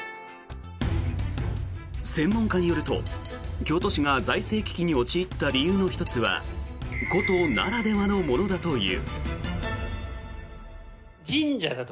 専門家によると、京都市が財政危機に陥った理由の１つは古都ならではのものだという。